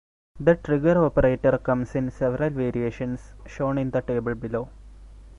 The trigger operator comes in several variations, shown in the table below.